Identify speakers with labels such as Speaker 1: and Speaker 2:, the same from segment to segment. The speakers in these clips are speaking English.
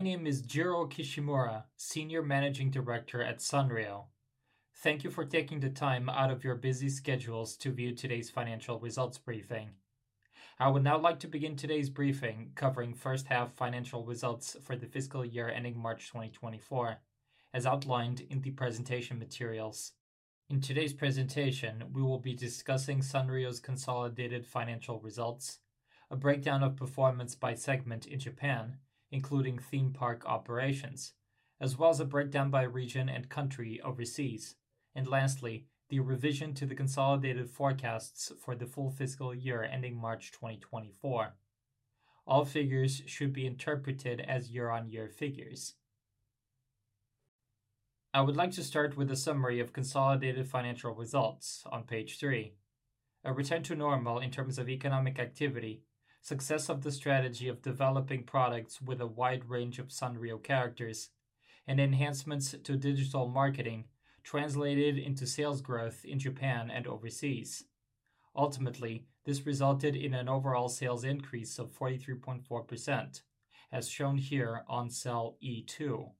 Speaker 1: name is Jiro Kishimura, Senior Managing Director at Sanrio. Thank you for taking the time out of your busy schedules to view today's financial results briefing. I would now like to begin today's briefing, covering first half financial results for the fiscal year ending March 2024, as outlined in the presentation materials. In today's presentation, we will be discussing Sanrio's consolidated financial results, a breakdown of performance by segment in Japan, including theme park operations, as well as a breakdown by region and country overseas, and lastly, the revision to the consolidated forecasts for the full fiscal year ending March 2024. All figures should be interpreted as year-on-year figures. I would like to start with a summary of consolidated financial results on page 3. A return to normal in terms of economic activity, success of the strategy of developing products with a wide range of Sanrio characters, and enhancements to digital marketing translated into sales growth in Japan and overseas. Ultimately, this resulted in an overall sales increase of 43.4%, as shown here on cell E2.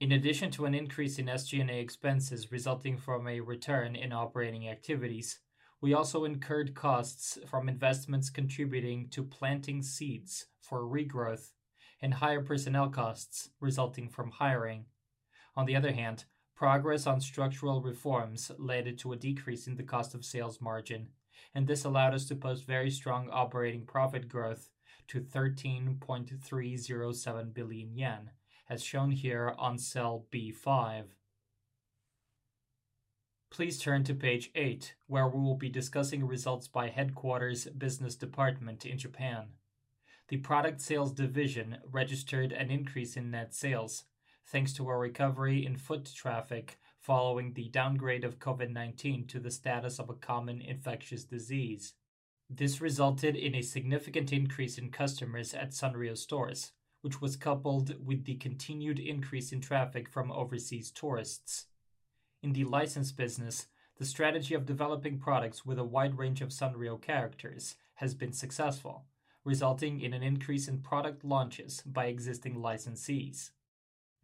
Speaker 1: In addition to an increase in SG&A expenses resulting from a return in operating activities, we also incurred costs from investments contributing to planting seeds for regrowth and higher personnel costs resulting from hiring. On the other hand, progress on structural reforms led to a decrease in the cost of sales margin, and this allowed us to post very strong operating profit growth to 13.307 billion yen, as shown here on cell B5. Please turn to page 8, where we will be discussing results by headquarters business department in Japan. The product sales division registered an increase in net sales, thanks to a recovery in foot traffic following the downgrade of COVID-19 to the status of a common infectious disease. This resulted in a significant increase in customers at Sanrio stores, which was coupled with the continued increase in traffic from overseas tourists. In the license business, the strategy of developing products with a wide range of Sanrio characters has been successful, resulting in an increase in product launches by existing licensees.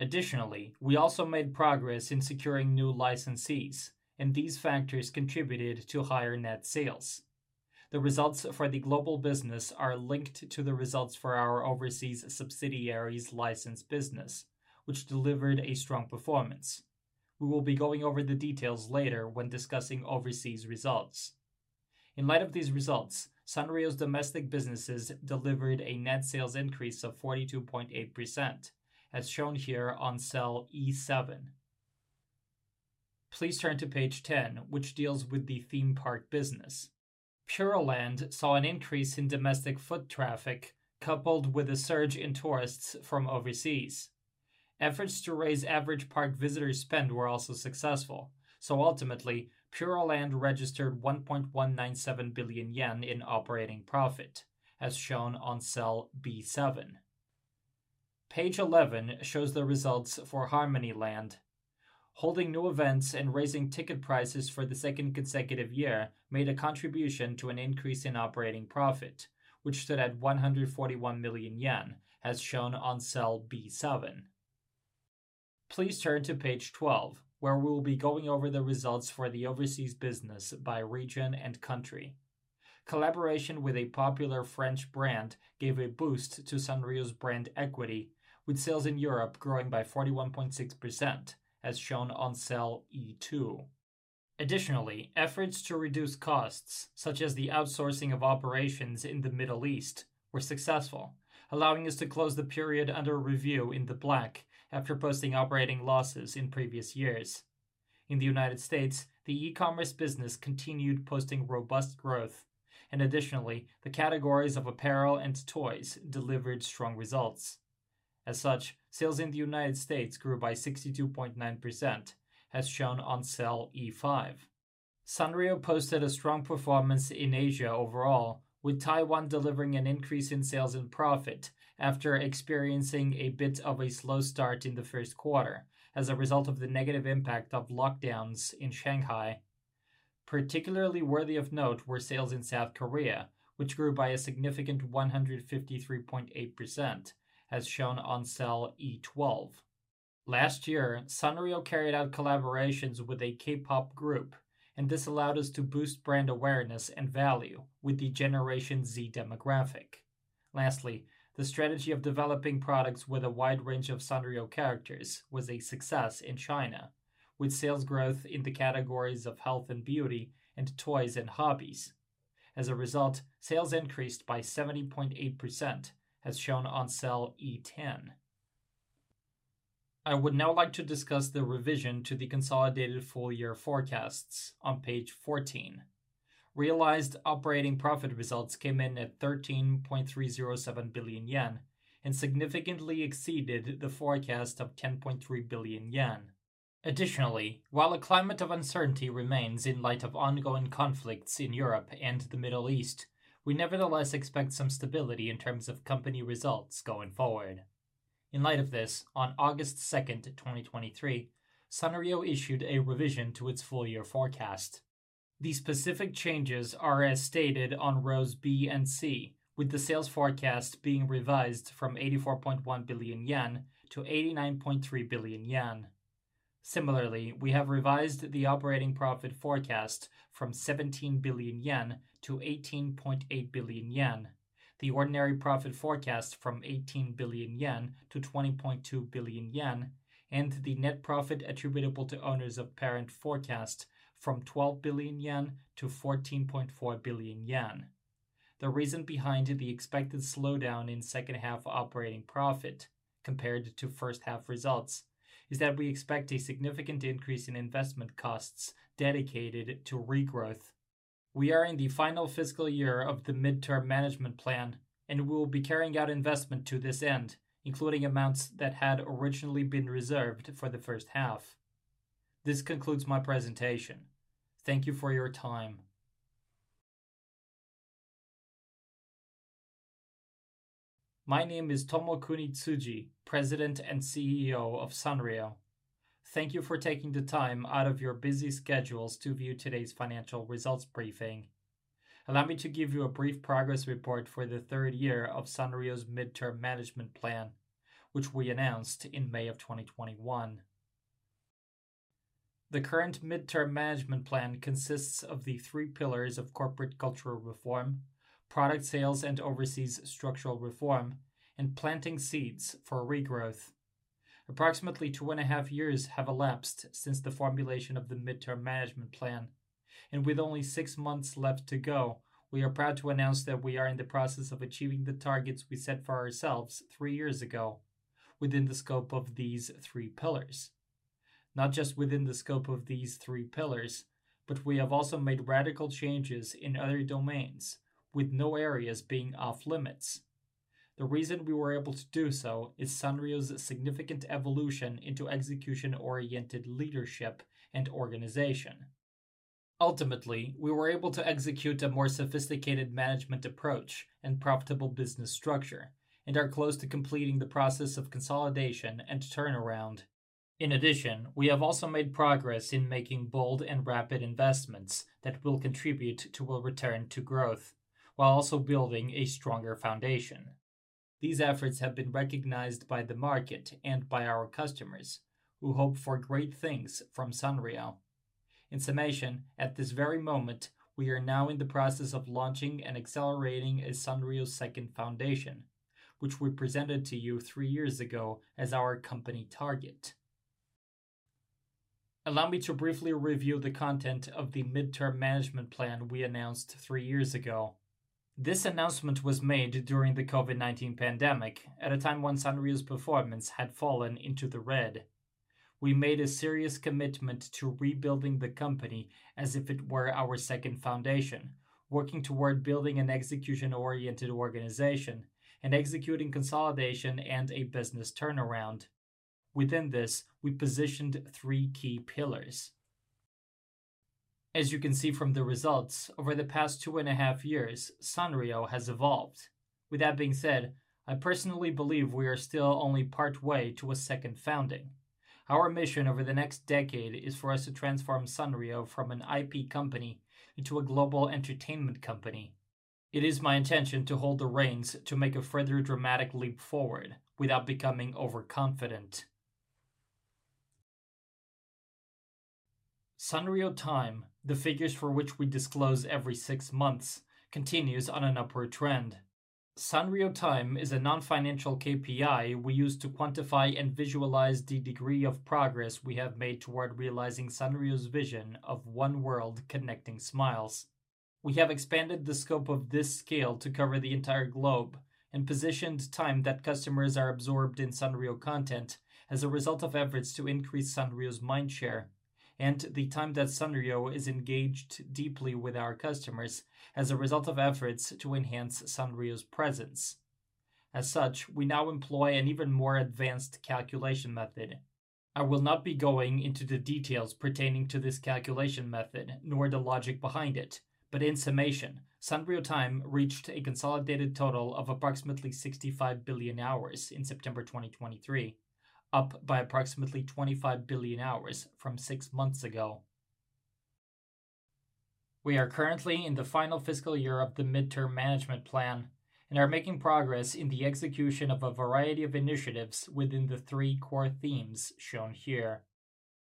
Speaker 1: Additionally, we also made progress in securing new licensees, and these factors contributed to higher net sales. The results for the global business are linked to the results for our overseas subsidiaries license business, which delivered a strong performance. We will be going over the details later when discussing overseas results. In light of these results, Sanrio's domestic businesses delivered a net sales increase of 42.8%, as shown here on cell E7. Please turn to page 10, which deals with the theme park business. Puroland saw an increase in domestic foot traffic, coupled with a surge in tourists from overseas. Efforts to raise average park visitor spend were also successful, so ultimately, Puroland registered 1.197 billion yen in operating profit, as shown on cell B7. Page 11 shows the results for Harmonyland. Holding new events and raising ticket prices for the second consecutive year made a contribution to an increase in operating profit, which stood at 141 million yen, as shown on cell B7. Please turn to page 12, where we will be going over the results for the overseas business by region and country. Collaboration with a popular French brand gave a boost to Sanrio's brand equity, with sales in Europe growing by 41.6%, as shown on cell E2. Additionally, efforts to reduce costs, such as the outsourcing of operations in the Middle East, were successful, allowing us to close the period under review in the black after posting operating losses in previous years. In the United States, the e-commerce business continued posting robust growth, and additionally, the categories of apparel and toys delivered strong results. As such, sales in the United States grew by 62.9%, as shown on cell E5. Sanrio posted a strong performance in Asia overall, with Taiwan delivering an increase in sales and profit after experiencing a bit of a slow start in the first quarter as a result of the negative impact of lockdowns in Shanghai. Particularly worthy of note were sales in South Korea, which grew by a significant 153.8%, as shown on cell E12. Last year, Sanrio carried out collaborations with a K-pop group, and this allowed us to boost brand awareness and value with the Generation Z demographic. Lastly, the strategy of developing products with a wide range of Sanrio characters was a success in China, with sales growth in the categories of health and beauty and toys and hobbies. As a result, sales increased by 70.8%, as shown on cell E10. I would now like to discuss the revision to the consolidated full-year forecasts on page 14. Realized operating profit results came in at 13.307 billion yen and significantly exceeded the forecast of 10.3 billion yen. Additionally, while a climate of uncertainty remains in light of ongoing conflicts in Europe and the Middle East, we nevertheless expect some stability in terms of company results going forward. In light of this, on August 2, 2023, Sanrio issued a revision to its full year forecast. The specific changes are as stated on rows B and C, with the sales forecast being revised from 84.1 billion yen to 89.3 billion yen. Similarly, we have revised the operating profit forecast from 17 billion yen to 18.8 billion yen, the ordinary profit forecast from 18 billion yen to 20.2 billion yen, and the net profit attributable to owners of parent forecast from 12 billion yen to 14.4 billion yen. The reason behind the expected slowdown in second half operating profit compared to first half results is that we expect a significant increase in investment costs dedicated to regrowth. We are in the final fiscal year of the midterm management plan, and we will be carrying out investment to this end, including amounts that had originally been reserved for the first half. This concludes my presentation. Thank you for your time.
Speaker 2: My name is Tomokuni Tsuji, President and CEO of Sanrio. Thank you for taking the time out of your busy schedules to view today's financial results briefing. Allow me to give you a brief progress report for the third year of Sanrio's midterm management plan, which we announced in May of 2021. The current midterm management plan consists of the three pillars of corporate cultural reform, product sales, and overseas structural reform, and planting seeds for regrowth. Approximately 2.5 years have elapsed since the formulation of the midterm management plan, and with only 6 months left to go, we are proud to announce that we are in the process of achieving the targets we set for ourselves 3 years ago within the scope of these three pillars. Not just within the scope of these three pillars, but we have also made radical changes in other domains, with no areas being off-limits. The reason we were able to do so is Sanrio's significant evolution into execution-oriented leadership and organization. Ultimately, we were able to execute a more sophisticated management approach and profitable business structure and are close to completing the process of consolidation and turnaround. In addition, we have also made progress in making bold and rapid investments that will contribute to our return to growth while also building a stronger foundation. These efforts have been recognized by the market and by our customers, who hope for great things from Sanrio. In summation, at this very moment, we are now in the process of launching and accelerating Sanrio's second foundation, which we presented to you 3 years ago as our company target. Allow me to briefly review the content of the midterm management plan we announced 3 years ago. This announcement was made during the COVID-19 pandemic, at a time when Sanrio's performance had fallen into the red. We made a serious commitment to rebuilding the company as if it were our second foundation, working toward building an execution-oriented organization and executing consolidation and a business turnaround. Within this, we positioned three key pillars. As you can see from the results, over the past 2.5 years, Sanrio has evolved. With that being said, I personally believe we are still only partway to a second founding. Our mission over the next decade is for us to transform Sanrio from an IP company into a global entertainment company. It is my intention to hold the reins to make a further dramatic leap forward without becoming overconfident. Sanrio Time, the figures for which we disclose every six months, continues on an upward trend. Sanrio Time is a non-financial KPI we use to quantify and visualize the degree of progress we have made toward realizing Sanrio's vision of one world connecting smiles. We have expanded the scope of this scale to cover the entire globe and positioned time that customers are absorbed in Sanrio content as a result of efforts to increase Sanrio's mind share, and the time that Sanrio is engaged deeply with our customers as a result of efforts to enhance Sanrio's presence. As such, we now employ an even more advanced calculation method. I will not be going into the details pertaining to this calculation method, nor the logic behind it, but in summation, Sanrio Time reached a consolidated total of approximately 65 billion hours in September 2023, up by approximately 25 billion hours from six months ago. We are currently in the final fiscal year of the midterm management plan and are making progress in the execution of a variety of initiatives within the three core themes shown here.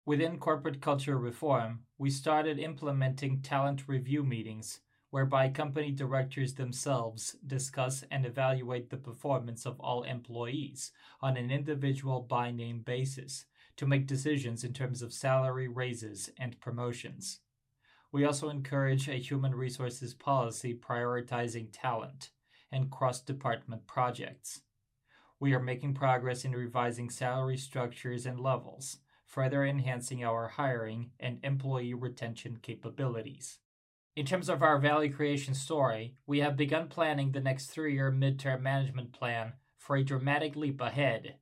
Speaker 2: Within corporate culture reform, we started implementing talent review meetings, whereby company directors themselves discuss and evaluate the performance of all employees on an individual by-name basis to make decisions in terms of salary, raises, and promotions. We also encourage a human resources policy prioritizing talent and cross-department projects. We are making progress in revising salary structures and levels, further enhancing our hiring and employee retention capabilities. In terms of our value creation story, we have begun planning the next three-year midterm management plan for a dramatic leap ahead.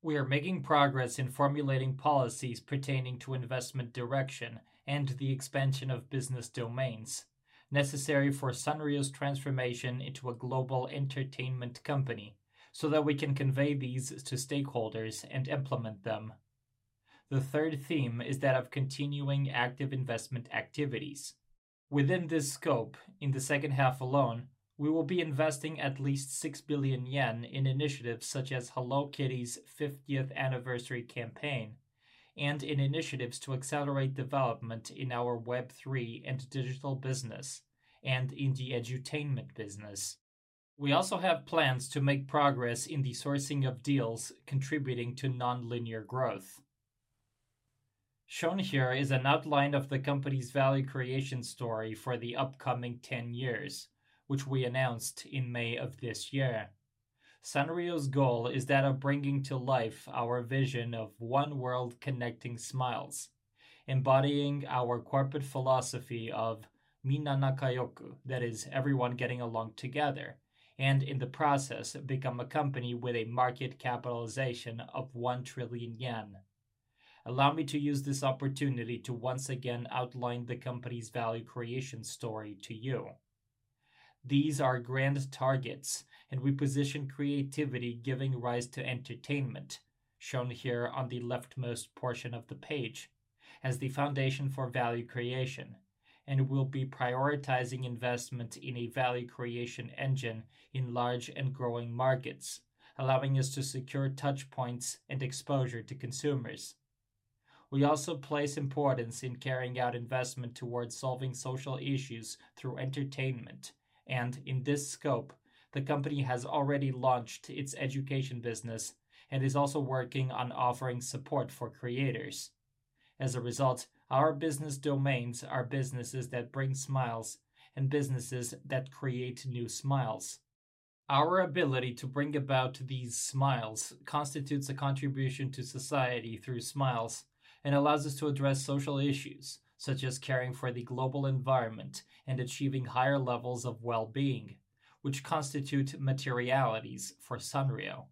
Speaker 2: We are making progress in formulating policies pertaining to investment direction and the expansion of business domains necessary for Sanrio's transformation into a global entertainment company so that we can convey these to stakeholders and implement them. The third theme is that of continuing active investment activities. Within this scope, in the second half alone, we will be investing at least 6 billion yen in initiatives such as Hello Kitty's 50th anniversary campaign, and in initiatives to accelerate development in our Web3 and digital business, and in the edutainment business. We also have plans to make progress in the sourcing of deals contributing to non-linear growth. Shown here is an outline of the company's value creation story for the upcoming 10 years, which we announced in May of this year. Sanrio's goal is that of bringing to life our vision of one world connecting smiles, embodying our corporate philosophy of Minna Nakayoku, that is, everyone getting along together, and in the process, become a company with a market capitalization of 1 trillion yen. Allow me to use this opportunity to once again outline the company's value creation story to you. These are grand targets, and we position creativity giving rise to entertainment, shown here on the leftmost portion of the page, as the foundation for value creation, and we'll be prioritizing investment in a value creation engine in large and growing markets, allowing us to secure touch points and exposure to consumers. We also place importance in carrying out investment towards solving social issues through entertainment, and in this scope, the company has already launched its education business and is also working on offering support for creators. As a result, our business domains are businesses that bring smiles and businesses that create new smiles. Our ability to bring about these smiles constitutes a contribution to society through smiles and allows us to address social issues, such as caring for the global environment and achieving higher levels of well-being, which constitute materialities for Sanrio.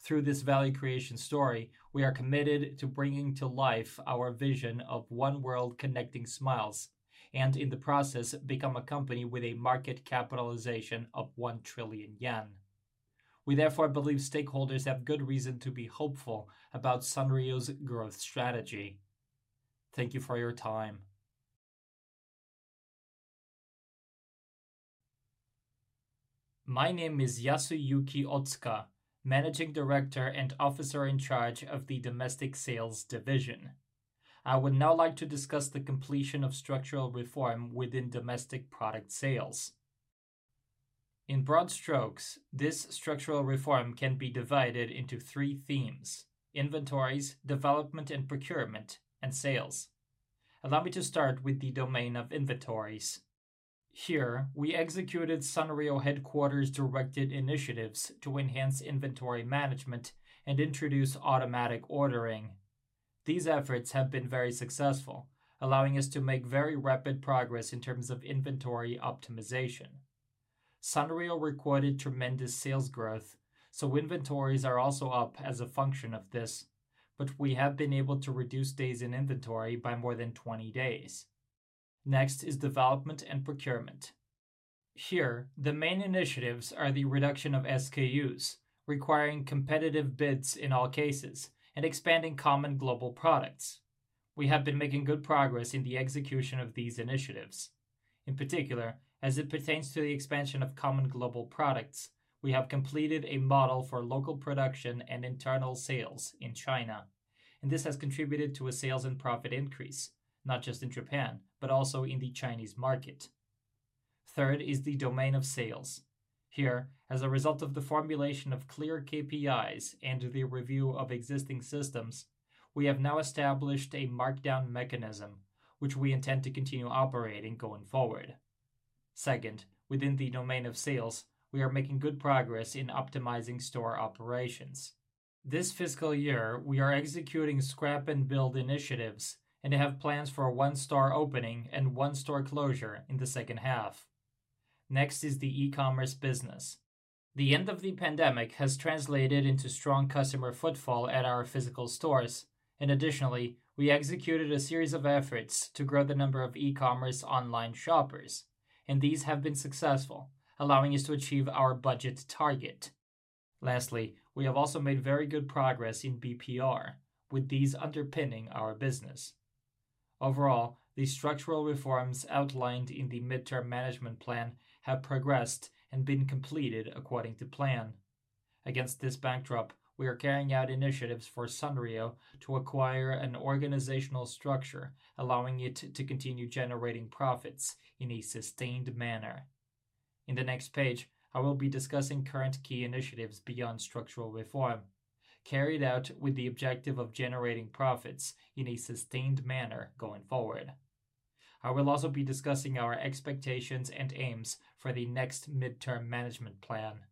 Speaker 2: Through this value creation story, we are committed to bringing to life our vision of one world connecting smiles, and in the process, become a company with a market capitalization of 1 trillion yen. We therefore believe stakeholders have good reason to be hopeful about Sanrio's growth strategy. Thank you for your time.
Speaker 3: My name is Yasuyuki Otsuka, Managing Director and Officer in charge of the Domestic Sales Division. I would now like to discuss the completion of structural reform within domestic product sales. In broad strokes, this structural reform can be divided into three themes: inventories, development and procurement, and sales. Allow me to start with the domain of inventories. Here, we executed Sanrio headquarters-directed initiatives to enhance inventory management and introduce automatic ordering. These efforts have been very successful, allowing us to make very rapid progress in terms of inventory optimization. Sanrio recorded tremendous sales growth, so inventories are also up as a function of this, but we have been able to reduce days in inventory by more than 20 days. Next is development and procurement. Here, the main initiatives are the reduction of SKUs, requiring competitive bids in all cases, and expanding common global products. We have been making good progress in the execution of these initiatives. In particular, as it pertains to the expansion of common global products, we have completed a model for local production and internal sales in China, and this has contributed to a sales and profit increase, not just in Japan, but also in the Chinese market. Third is the domain of sales. Here, as a result of the formulation of clear KPIs and the review of existing systems, we have now established a markdown mechanism, which we intend to continue operating going forward. Second, within the domain of sales, we are making good progress in optimizing store operations. This fiscal year, we are executing scrap and build initiatives and have plans for one store opening and one store closure in the second half. Next is the e-commerce business. The end of the pandemic has translated into strong customer footfall at our physical stores, and additionally, we executed a series of efforts to grow the number of e-commerce online shoppers, and these have been successful, allowing us to achieve our budget target. Lastly, we have also made very good progress in BPR, with these underpinning our business. Overall, the structural reforms outlined in the midterm management plan have progressed and been completed according to plan. Against this backdrop, we are carrying out initiatives for Sanrio to acquire an organizational structure, allowing it to continue generating profits in a sustained manner. In the next page, I will be discussing current key initiatives beyond structural reform, carried out with the objective of generating profits in a sustained manner going forward. I will also be discussing our expectations and aims for the next midterm management plan.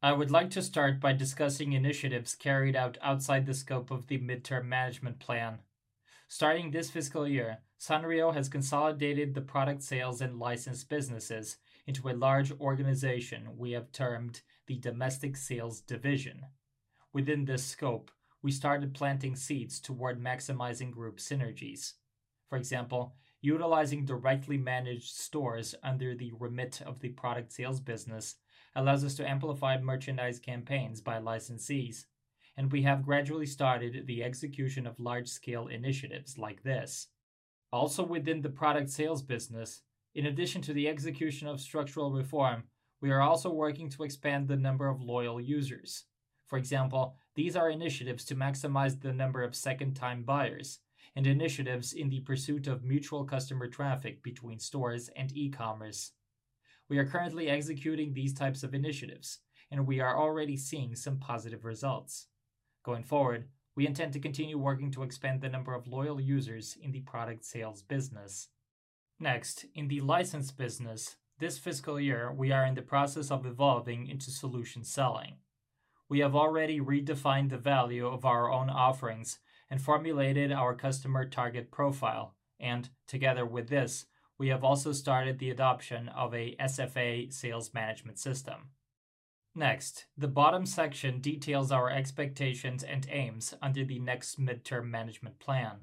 Speaker 3: I would like to start by discussing initiatives carried out outside the scope of the midterm management plan. Starting this fiscal year, Sanrio has consolidated the product sales and license businesses into a large organization we have termed the Domestic Sales Division. Within this scope, we started planting seeds toward maximizing group synergies.... For example, utilizing directly managed stores under the remit of the product sales business allows us to amplify merchandise campaigns by licensees, and we have gradually started the execution of large-scale initiatives like this. Also, within the product sales business, in addition to the execution of structural reform, we are also working to expand the number of loyal users. For example, these are initiatives to maximize the number of second-time buyers and initiatives in the pursuit of mutual customer traffic between stores and e-commerce. We are currently executing these types of initiatives, and we are already seeing some positive results. Going forward, we intend to continue working to expand the number of loyal users in the product sales business. Next, in the license business, this fiscal year, we are in the process of evolving into solution selling. We have already redefined the value of our own offerings and formulated our customer target profile, and together with this, we have also started the adoption of a SFA sales management system. Next, the bottom section details our expectations and aims under the next midterm management plan.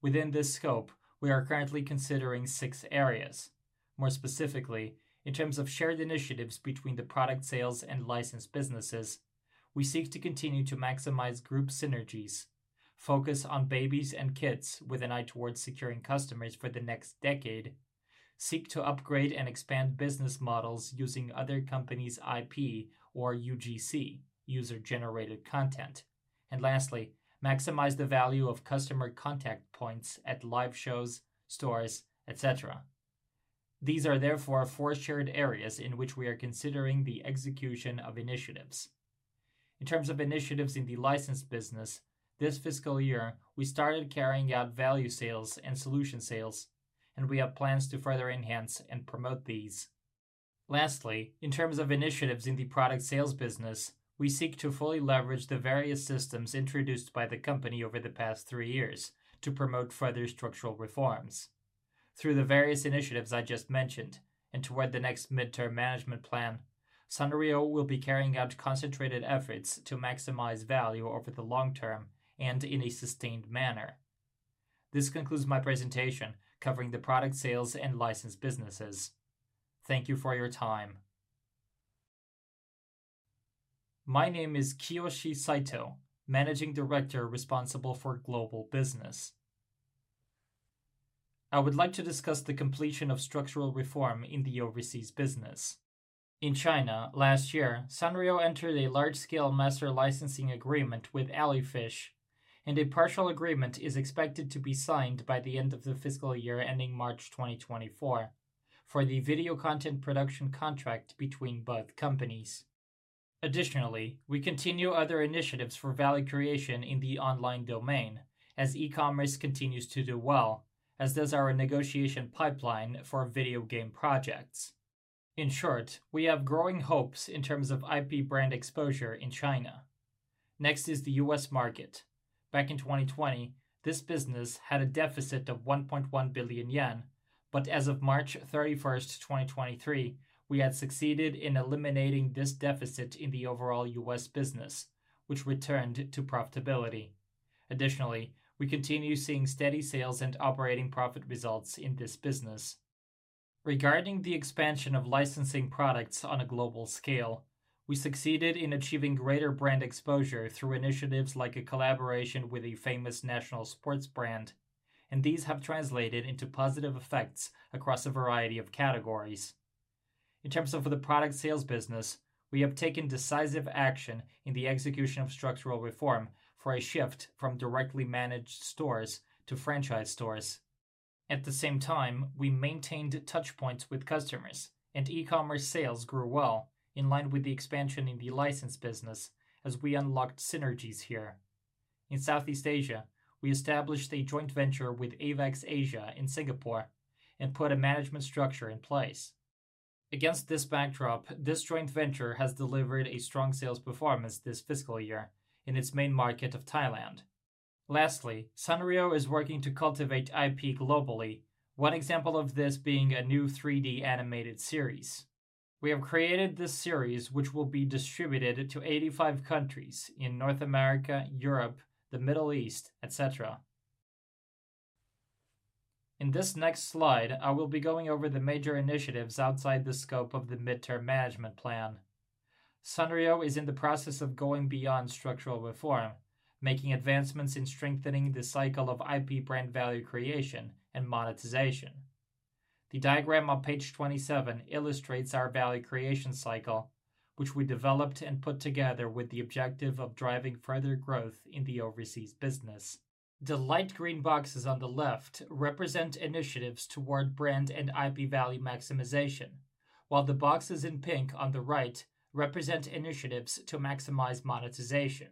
Speaker 3: Within this scope, we are currently considering six areas. More specifically, in terms of shared initiatives between the product sales and license businesses, we seek to continue to maximize group synergies, focus on babies and kids with an eye towards securing customers for the next decade, seek to upgrade and expand business models using other companies' IP or UGC, user-generated content, and lastly, maximize the value of customer contact points at live shows, stores, et cetera. These are therefore four shared areas in which we are considering the execution of initiatives. In terms of initiatives in the license business, this fiscal year, we started carrying out value sales and solution sales, and we have plans to further enhance and promote these. Lastly, in terms of initiatives in the product sales business, we seek to fully leverage the various systems introduced by the company over the past three years to promote further structural reforms. Through the various initiatives I just mentioned and toward the next midterm management plan, Sanrio will be carrying out concentrated efforts to maximize value over the long term and in a sustained manner. This concludes my presentation covering the product sales and license businesses. Thank you for your time.
Speaker 4: My name is Kiyoshi Saito, Managing Director responsible for global business. I would like to discuss the completion of structural reform in the overseas business. In China, last year, Sanrio entered a large-scale master licensing agreement with Alifish, and a partial agreement is expected to be signed by the end of the fiscal year, ending March 2024, for the video content production contract between both companies. Additionally, we continue other initiatives for value creation in the online domain, as e-commerce continues to do well, as does our negotiation pipeline for video game projects. In short, we have growing hopes in terms of IP brand exposure in China. Next is the U.S. market. Back in 2020, this business had a deficit of 1.1 billion yen, but as of March 31, 2023, we had succeeded in eliminating this deficit in the overall U.S. business, which returned to profitability. Additionally, we continue seeing steady sales and operating profit results in this business. Regarding the expansion of licensing products on a global scale, we succeeded in achieving greater brand exposure through initiatives like a collaboration with a famous national sports brand, and these have translated into positive effects across a variety of categories. In terms of the product sales business, we have taken decisive action in the execution of structural reform for a shift from directly managed stores to franchise stores. At the same time, we maintained touch points with customers, and e-commerce sales grew well in line with the expansion in the license business as we unlocked synergies here. In Southeast Asia, we established a joint venture with Avex Asia in Singapore and put a management structure in place. Against this backdrop, this joint venture has delivered a strong sales performance this fiscal year in its main market of Thailand. Lastly, Sanrio is working to cultivate IP globally. One example of this being a new 3D animated series. We have created this series, which will be distributed to 85 countries in North America, Europe, the Middle East, et cetera. In this next slide, I will be going over the major initiatives outside the scope of the midterm management plan. Sanrio is in the process of going beyond structural reform, making advancements in strengthening the cycle of IP brand value creation and monetization. The diagram on page 27 illustrates our value creation cycle, which we developed and put together with the objective of driving further growth in the overseas business. The light green boxes on the left represent initiatives toward brand and IP value maximization, while the boxes in pink on the right represent initiatives to maximize monetization.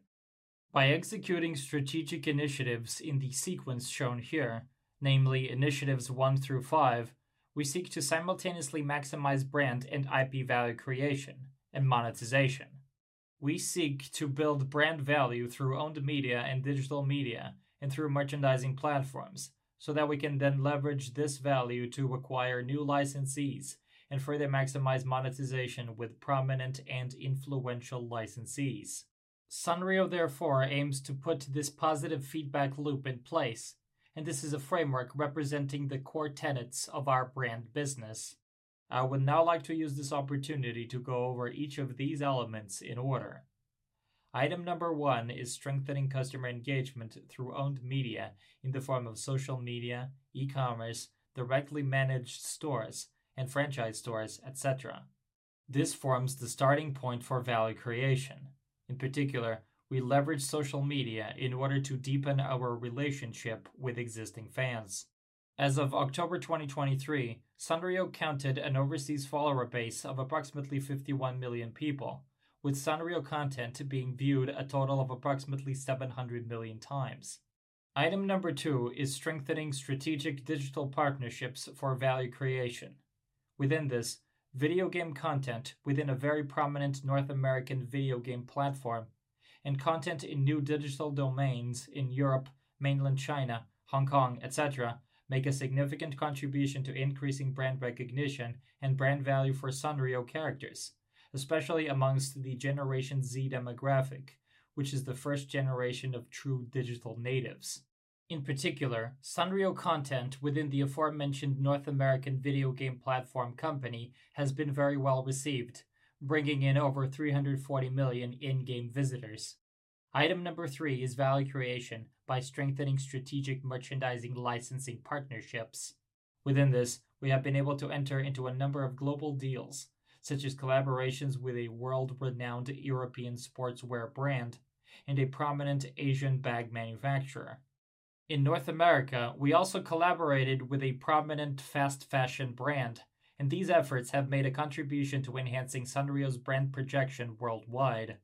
Speaker 4: By executing strategic initiatives in the sequence shown here, namely initiatives 1 through 5, we seek to simultaneously maximize brand and IP value creation and monetization. We seek to build brand value through owned media and digital media and through merchandising platforms so that we can then leverage this value to acquire new licensees and further maximize monetization with prominent and influential licensees... Sanrio therefore aims to put this positive feedback loop in place, and this is a framework representing the core tenets of our brand business. I would now like to use this opportunity to go over each of these elements in order. Item number one is strengthening customer engagement through owned media in the form of social media, e-commerce, directly managed stores, and franchise stores, et cetera. This forms the starting point for value creation. In particular, we leverage social media in order to deepen our relationship with existing fans. As of October 2023, Sanrio counted an overseas follower base of approximately 51 million people, with Sanrio content being viewed a total of approximately 700 million times. Item number 2 is strengthening strategic digital partnerships for value creation. Within this, video game content within a very prominent North American video game platform and content in new digital domains in Europe, Mainland China, Hong Kong, et cetera, make a significant contribution to increasing brand recognition and brand value for Sanrio characters, especially amongst the Generation Z demographic, which is the first generation of true digital natives. In particular, Sanrio content within the aforementioned North American video game platform company has been very well received, bringing in over 340 million in-game visitors. Item number 3 is value creation by strengthening strategic merchandising licensing partnerships. Within this, we have been able to enter into a number of global deals, such as collaborations with a world-renowned European sportswear brand and a prominent Asian bag manufacturer. In North America, we also collaborated with a prominent fast fashion brand, and these efforts have made a contribution to enhancing Sanrio's brand projection worldwide.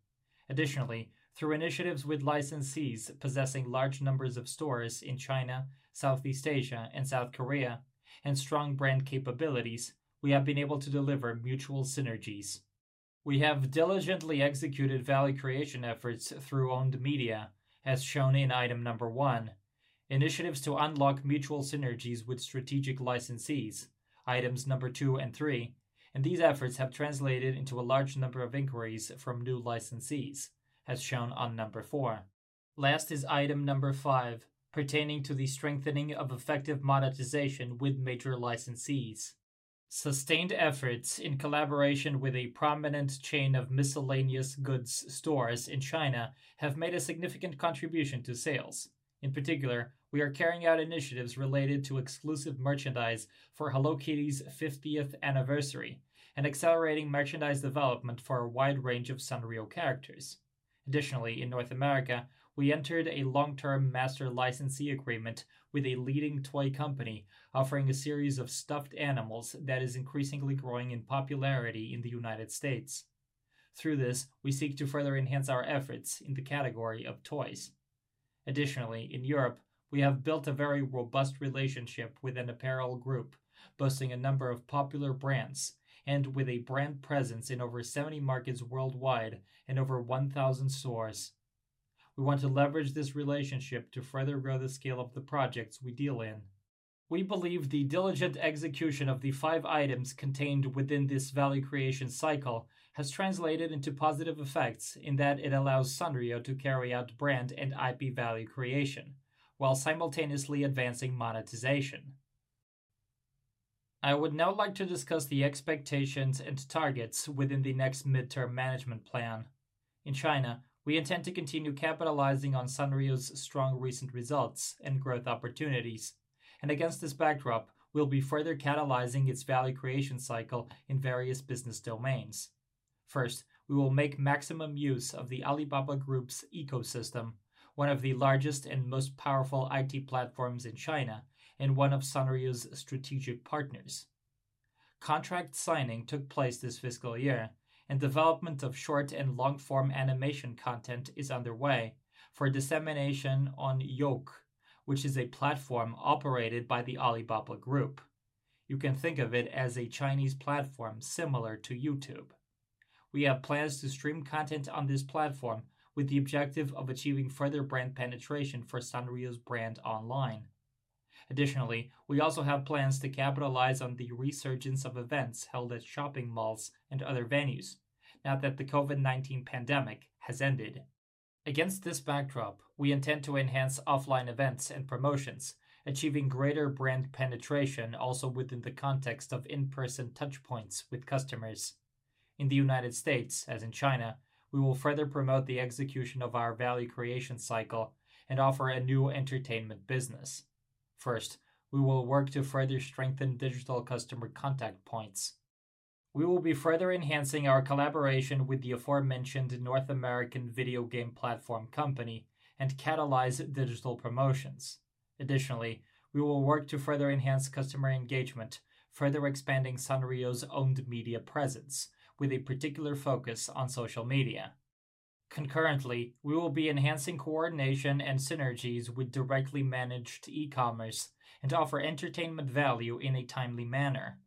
Speaker 4: Additionally, through initiatives with licensees possessing large numbers of stores in China, Southeast Asia, and South Korea, and strong brand capabilities, we have been able to deliver mutual synergies. We have diligently executed value creation efforts through owned media, as shown in item number 1, initiatives to unlock mutual synergies with strategic licensees, items number 2 and 3, and these efforts have translated into a large number of inquiries from new licensees, as shown on number 4. Last is item number 5, pertaining to the strengthening of effective monetization with major licensees. Sustained efforts in collaboration with a prominent chain of miscellaneous goods stores in China have made a significant contribution to sales. In particular, we are carrying out initiatives related to exclusive merchandise for Hello Kitty's fiftieth anniversary and accelerating merchandise development for a wide range of Sanrio characters. Additionally, in North America, we entered a long-term master licensee agreement with a leading toy company, offering a series of stuffed animals that is increasingly growing in popularity in the United States. Through this, we seek to further enhance our efforts in the category of toys. Additionally, in Europe, we have built a very robust relationship with an apparel group, boasting a number of popular brands and with a brand presence in over 70 markets worldwide and over 1,000 stores. We want to leverage this relationship to further scale up the projects we deal in. We believe the diligent execution of the five items contained within this value creation cycle has translated into positive effects in that it allows Sanrio to carry out brand and IP value creation while simultaneously advancing monetization. I would now like to discuss the expectations and targets within the next midterm management plan. In China, we intend to continue capitalizing on Sanrio's strong recent results and growth opportunities, and against this backdrop, we'll be further catalyzing its value creation cycle in various business domains. First, we will make maximum use of the Alibaba Group's ecosystem, one of the largest and most powerful IT platforms in China and one of Sanrio's strategic partners. Contract signing took place this fiscal year, and development of short and long-form animation content is underway for dissemination on Youku, which is a platform operated by the Alibaba Group. You can think of it as a Chinese platform similar to YouTube. We have plans to stream content on this platform with the objective of achieving further brand penetration for Sanrio's brand online. Additionally, we also have plans to capitalize on the resurgence of events held at shopping malls and other venues now that the COVID-19 pandemic has ended. Against this backdrop, we intend to enhance offline events and promotions, achieving greater brand penetration also within the context of in-person touchpoints with customers. In the United States, as in China, we will further promote the execution of our value creation cycle and offer a new entertainment business. First, we will work to further strengthen digital customer contact points. We will be further enhancing our collaboration with the aforementioned North American video game platform company and catalyze digital promotions. Additionally, we will work to further enhance customer engagement, further expanding Sanrio's owned media presence, with a particular focus on social media. Concurrently, we will be enhancing coordination and synergies with directly managed e-commerce and offer entertainment value in a timely manner.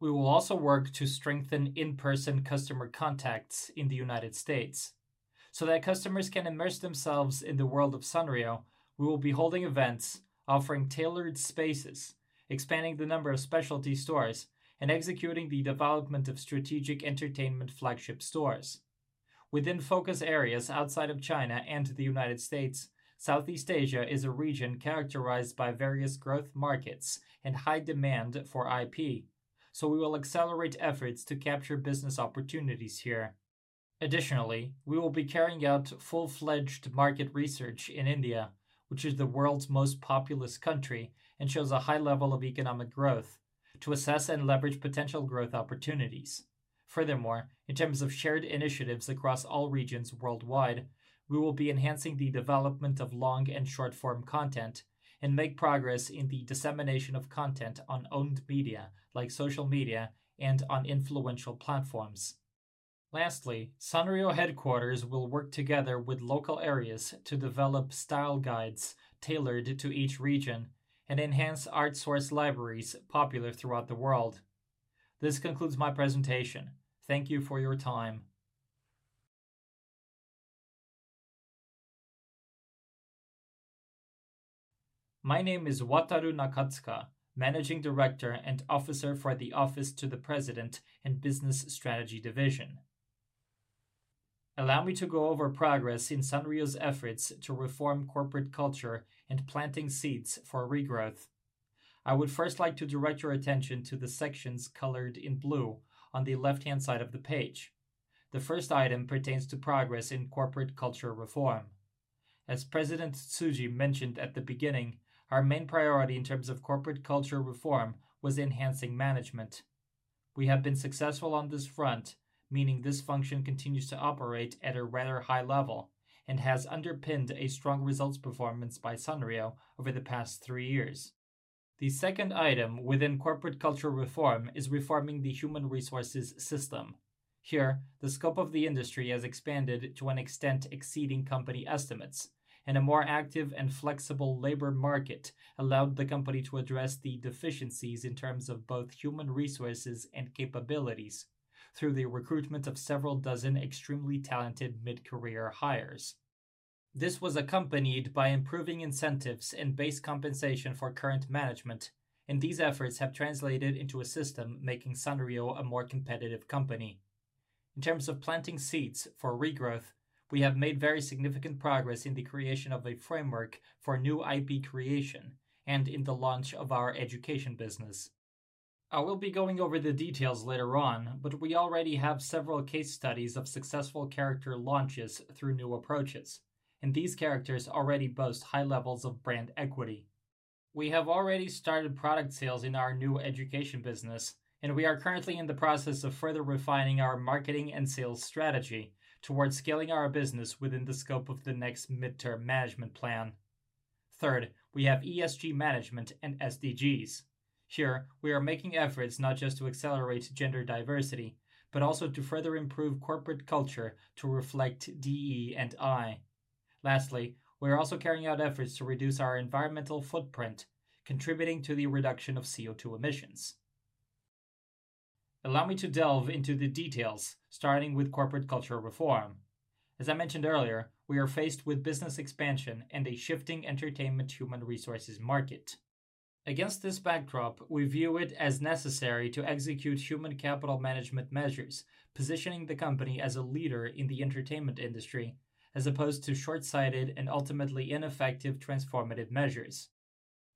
Speaker 4: We will also work to strengthen in-person customer contacts in the United States. So that customers can immerse themselves in the world of Sanrio, we will be holding events, offering tailored spaces, expanding the number of specialty stores, and executing the development of strategic entertainment flagship stores. Within focus areas outside of China and the United States, Southeast Asia is a region characterized by various growth markets and high demand for IP, so we will accelerate efforts to capture business opportunities here. Additionally, we will be carrying out full-fledged market research in India, which is the world's most populous country and shows a high level of economic growth, to assess and leverage potential growth opportunities. Furthermore, in terms of shared initiatives across all regions worldwide, we will be enhancing the development of long and short-form content and make progress in the dissemination of content on owned media, like social media and on influential platforms. Lastly, Sanrio headquarters will work together with local areas to develop style guides tailored to each region and enhance art source libraries popular throughout the world. This concludes my presentation. Thank you for your time.
Speaker 5: My name is Wataru Nakatsuka, Managing Director and Officer for the Office to the President and Business Strategy Division. Allow me to go over progress in Sanrio's efforts to reform corporate culture and planting seeds for regrowth. I would first like to direct your attention to the sections colored in blue on the left-hand side of the page. The first item pertains to progress in corporate culture reform. As President Tsuji mentioned at the beginning, our main priority in terms of corporate culture reform was enhancing management. We have been successful on this front, meaning this function continues to operate at a rather high level and has underpinned a strong results performance by Sanrio over the past three years. The second item within corporate culture reform is reforming the human resources system. Here, the scope of the industry has expanded to an extent exceeding company estimates, and a more active and flexible labor market allowed the company to address the deficiencies in terms of both human resources and capabilities through the recruitment of several dozen extremely talented mid-career hires. This was accompanied by improving incentives and base compensation for current management, and these efforts have translated into a system making Sanrio a more competitive company. In terms of planting seeds for regrowth, we have made very significant progress in the creation of a framework for new IP creation and in the launch of our education business. I will be going over the details later on, but we already have several case studies of successful character launches through new approaches, and these characters already boast high levels of brand equity. We have already started product sales in our new education business, and we are currently in the process of further refining our marketing and sales strategy towards scaling our business within the scope of the next midterm management plan. Third, we have ESG management and SDGs. Here, we are making efforts not just to accelerate gender diversity, but also to further improve corporate culture to reflect DE&I. Lastly, we are also carrying out efforts to reduce our environmental footprint, contributing to the reduction of CO₂ emissions. Allow me to delve into the details, starting with corporate culture reform. As I mentioned earlier, we are faced with business expansion and a shifting entertainment human resources market. Against this backdrop, we view it as necessary to execute human capital management measures, positioning the company as a leader in the entertainment industry, as opposed to short-sighted and ultimately ineffective transformative measures.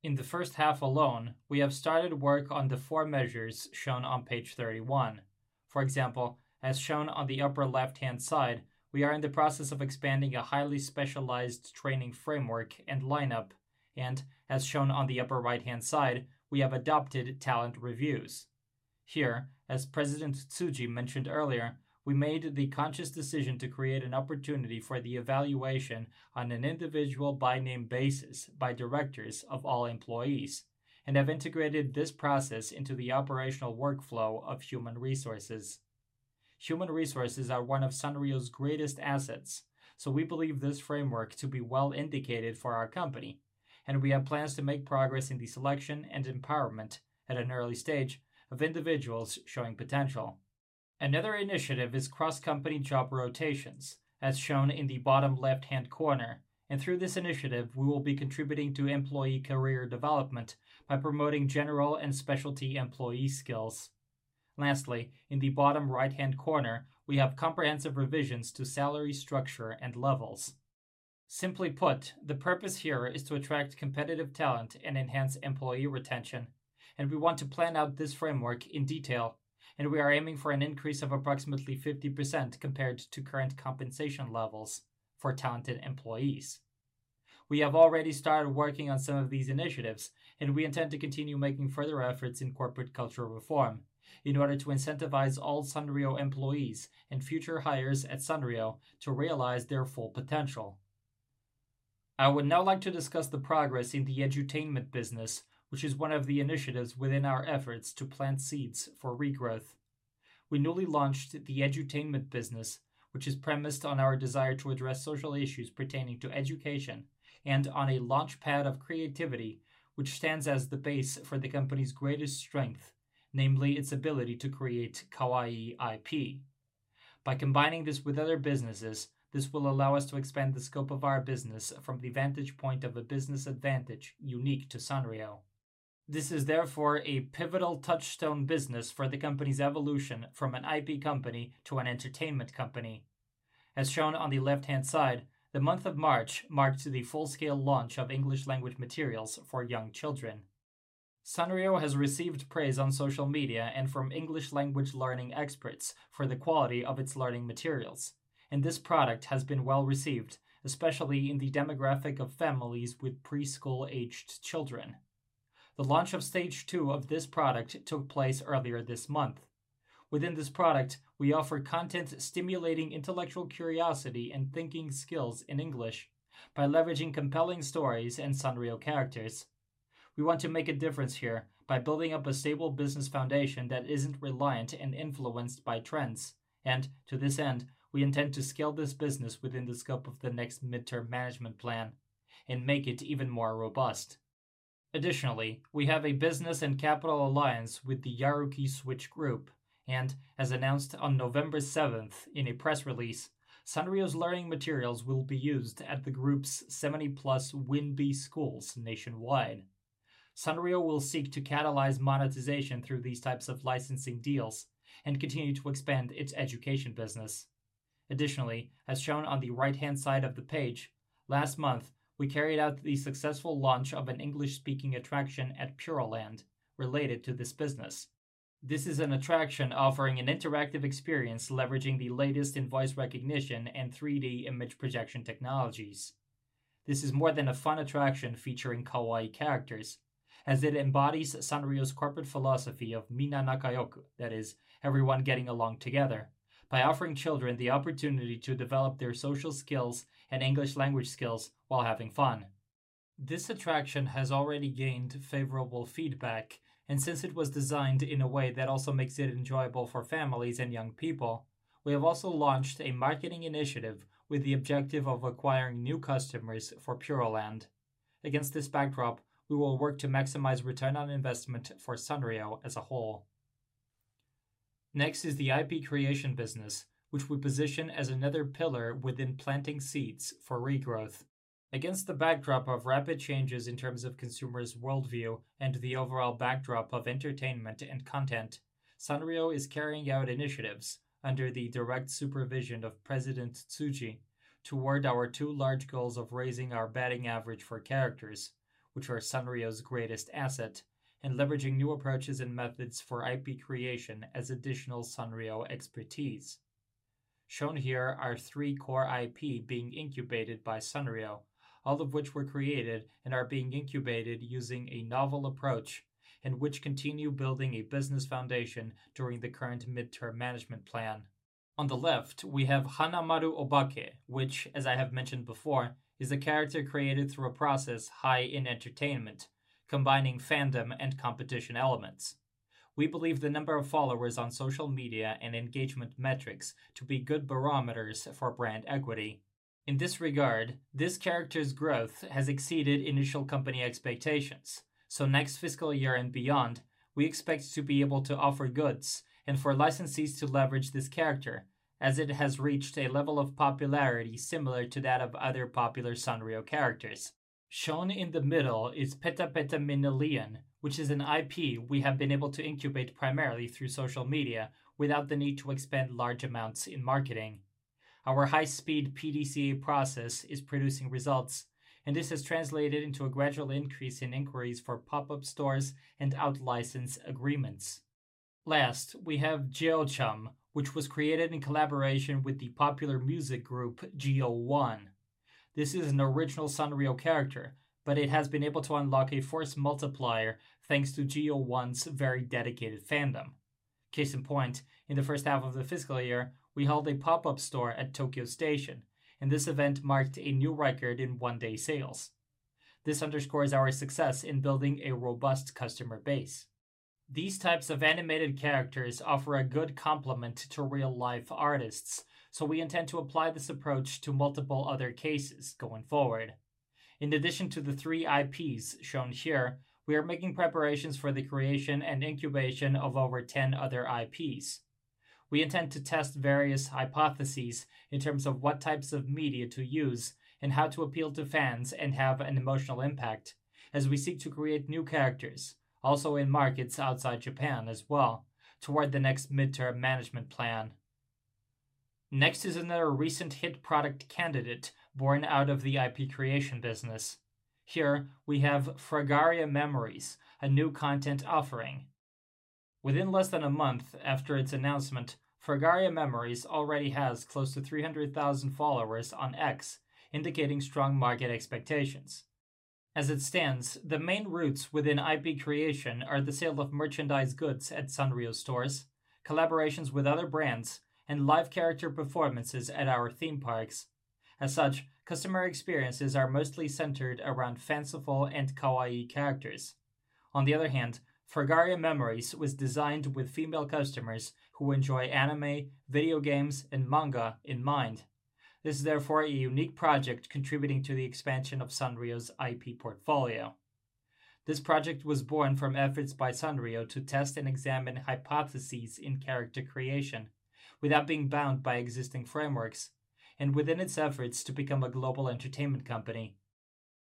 Speaker 5: In the first half alone, we have started work on the four measures shown on page 31. For example, as shown on the upper left-hand side, we are in the process of expanding a highly specialized training framework and lineup, and as shown on the upper right-hand side, we have adopted talent reviews. Here, as President Tsuji mentioned earlier, we made the conscious decision to create an opportunity for the evaluation on an individual by name basis, by directors of all employees, and have integrated this process into the operational workflow of human resources. Human resources are one of Sanrio's greatest assets, so we believe this framework to be well indicated for our company, and we have plans to make progress in the selection and empowerment at an early stage of individuals showing potential. Another initiative is cross-company job rotations, as shown in the bottom left-hand corner, and through this initiative, we will be contributing to employee career development by promoting general and specialty employee skills. Lastly, in the bottom right-hand corner, we have comprehensive revisions to salary structure and levels. Simply put, the purpose here is to attract competitive talent and enhance employee retention, and we want to plan out this framework in detail, and we are aiming for an increase of approximately 50% compared to current compensation levels for talented employees. We have already started working on some of these initiatives, and we intend to continue making further efforts in corporate culture reform in order to incentivize all Sanrio employees and future hires at Sanrio to realize their full potential. I would now like to discuss the progress in the edutainment business, which is one of the initiatives within our efforts to plant seeds for regrowth. We newly launched the edutainment business, which is premised on our desire to address social issues pertaining to education and on a launchpad of creativity, which stands as the base for the company's greatest strength, namely, its ability to create kawaii IP. By combining this with other businesses, this will allow us to expand the scope of our business from the vantage point of a business advantage unique to Sanrio.... This is therefore a pivotal touchstone business for the company's evolution from an IP company to an entertainment company. As shown on the left-hand side, the month of March marked the full-scale launch of English language materials for young children. Sanrio has received praise on social media and from English language learning experts for the quality of its learning materials, and this product has been well-received, especially in the demographic of families with preschool-aged children. The launch of stage two of this product took place earlier this month. Within this product, we offer content stimulating intellectual curiosity and thinking skills in English by leveraging compelling stories and Sanrio characters. We want to make a difference here by building up a stable business foundation that isn't reliant and influenced by trends, and to this end, we intend to scale this business within the scope of the next midterm management plan and make it even more robust. Additionally, we have a business and capital alliance with the Yaruki Switch Group, and as announced on November 7 in a press release, Sanrio's learning materials will be used at the group's 70-plus WinBe schools nationwide. Sanrio will seek to catalyze monetization through these types of licensing deals and continue to expand its education business. Additionally, as shown on the right-hand side of the page, last month, we carried out the successful launch of an English-speaking attraction at Puroland related to this business. This is an attraction offering an interactive experience leveraging the latest in voice recognition and 3D image projection technologies. This is more than a fun attraction featuring kawaii characters, as it embodies Sanrio's corporate philosophy of Minna Nakayoku, that is, everyone getting along together, by offering children the opportunity to develop their social skills and English language skills while having fun. This attraction has already gained favorable feedback, and since it was designed in a way that also makes it enjoyable for families and young people, we have also launched a marketing initiative with the objective of acquiring new customers for Puroland. Against this backdrop, we will work to maximize return on investment for Sanrio as a whole. Next is the IP creation business, which we position as another pillar within planting seeds for regrowth. Against the backdrop of rapid changes in terms of consumers' worldview and the overall backdrop of entertainment and content, Sanrio is carrying out initiatives under the direct supervision of President Tsuji toward our two large goals of raising our batting average for characters, which are Sanrio's greatest asset, and leveraging new approaches and methods for IP creation as additional Sanrio expertise. Shown here are three core IP being incubated by Sanrio, all of which were created and are being incubated using a novel approach, and which continue building a business foundation during the current midterm management plan. On the left, we have Hanamaruobake, which, as I have mentioned before, is a character created through a process high in entertainment, combining fandom and competition elements. We believe the number of followers on social media and engagement metrics to be good barometers for brand equity. In this regard, this character's growth has exceeded initial company expectations, so next fiscal year and beyond, we expect to be able to offer goods and for licensees to leverage this character, as it has reached a level of popularity similar to that of other popular Sanrio characters. Shown in the middle is Petapetaminyon, which is an IP we have been able to incubate primarily through social media without the need to expend large amounts in marketing. Our high-speed PDCA process is producing results, and this has translated into a gradual increase in inquiries for pop-up stores and outlicense agreements. Last, we have JOCHUM, which was created in collaboration with the popular music group JO1. This is an original Sanrio character, but it has been able to unlock a force multiplier, thanks to JO1's very dedicated fandom. Case in point, in the first half of the fiscal year, we held a pop-up store at Tokyo Station, and this event marked a new record in one-day sales. This underscores our success in building a robust customer base. These types of animated characters offer a good complement to real-life artists, so we intend to apply this approach to multiple other cases going forward. In addition to the three IPs shown here, we are making preparations for the creation and incubation of over 10 other IPs. We intend to test various hypotheses in terms of what types of media to use and how to appeal to fans and have an emotional impact as we seek to create new characters, also in markets outside Japan as well, toward the next midterm management plan. Next is another recent hit product candidate born out of the IP creation business. Here we have Fragaria Memories, a new content offering. Within less than a month after its announcement, Fragaria Memories already has close to 300,000 followers on X, indicating strong market expectations. As it stands, the main routes within IP creation are the sale of merchandise goods at Sanrio stores, collaborations with other brands, and live character performances at our theme parks. As such, customer experiences are mostly centered around fanciful and Kawaii characters. On the other hand, Fragaria Memories was designed with female customers who enjoy anime, video games, and manga in mind. This is therefore a unique project contributing to the expansion of Sanrio's IP portfolio. This project was born from efforts by Sanrio to test and examine hypotheses in character creation without being bound by existing frameworks and within its efforts to become a global entertainment company.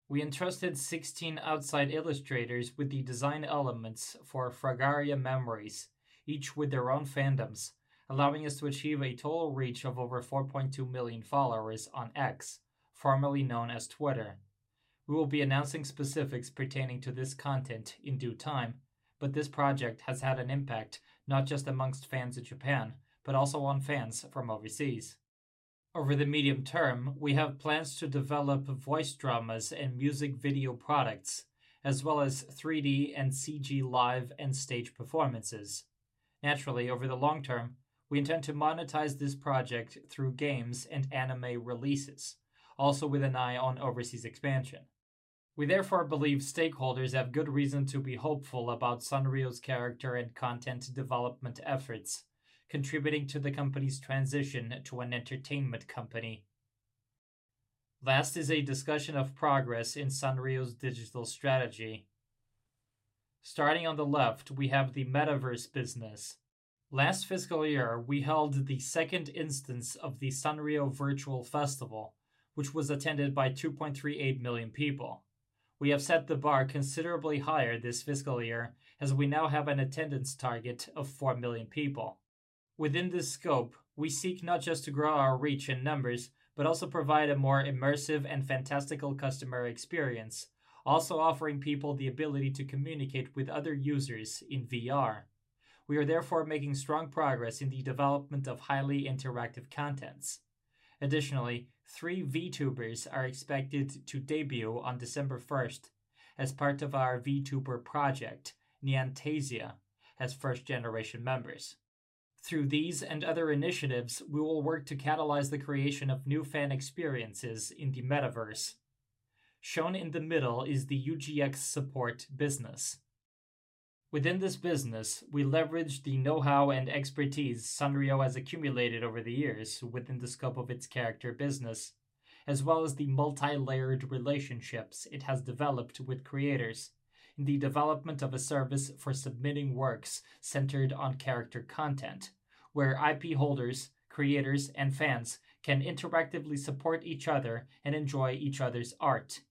Speaker 5: We entrusted 16 outside illustrators with the design elements for Fragaria Memories, each with their own fandoms, allowing us to achieve a total reach of over 4.2 million followers on X, formerly known as Twitter. We will be announcing specifics pertaining to this content in due time, but this project has had an impact, not just amongst fans in Japan, but also on fans from overseas. Over the medium term, we have plans to develop voice dramas and music video products, as well as 3D and CG live and stage performances. Naturally, over the long term, we intend to monetize this project through games and anime releases, also with an eye on overseas expansion. We therefore believe stakeholders have good reason to be hopeful about Sanrio's character and content development efforts, contributing to the company's transition to an entertainment company. Last is a discussion of progress in Sanrio's digital strategy. Starting on the left, we have the metaverse business. Last fiscal year, we held the second instance of the Sanrio Virtual Festival, which was attended by 2.38 million people. We have set the bar considerably higher this fiscal year, as we now have an attendance target of 4 million people. Within this scope, we seek not just to grow our reach in numbers, but also provide a more immersive and fantastical customer experience, also offering people the ability to communicate with other users in VR. We are therefore making strong progress in the development of highly interactive contents. Additionally, three VTubers are expected to debut on December first, as part of our VTuber project, Nyantasia, as first-generation members. Through these and other initiatives, we will work to catalyze the creation of new fan experiences in the metaverse. Shown in the middle is the UGC support business. Within this business, we leverage the know-how and expertise Sanrio has accumulated over the years within the scope of its character business, as well as the multi-layered relationships it has developed with creators in the development of a service for submitting works centered on character content, where IP holders, creators, and fans can interactively support each other and enjoy each other's art.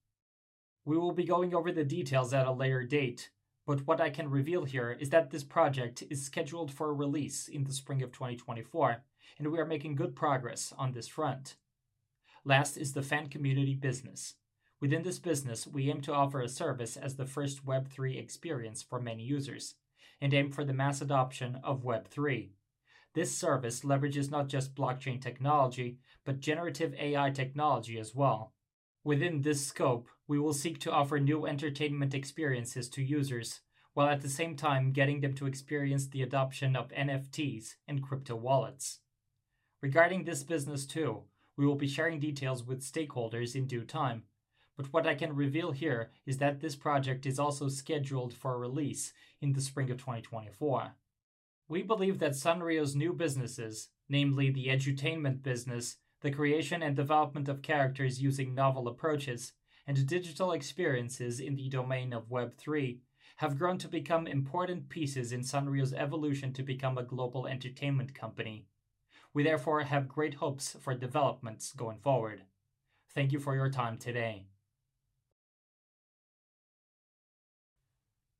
Speaker 5: We will be going over the details at a later date, but what I can reveal here is that this project is scheduled for release in the spring of 2024, and we are making good progress on this front. Last is the fan community business. Within this business, we aim to offer a service as the first Web3 experience for many users and aim for the mass adoption of Web3. This service leverages not just blockchain technology, but generative AI technology as well. Within this scope, we will seek to offer new entertainment experiences to users, while at the same time getting them to experience the adoption of NFTs and crypto wallets. Regarding this business, too, we will be sharing details with stakeholders in due time, but what I can reveal here is that this project is also scheduled for release in the spring of 2024. We believe that Sanrio's new businesses, namely the edutainment business, the creation and development of characters using novel approaches, and digital experiences in the domain of Web3, have grown to become important pieces in Sanrio's evolution to become a global entertainment company. We therefore have great hopes for developments going forward. Thank you for your time today.